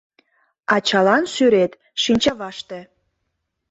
Ачалан сӱрет — шинчаваште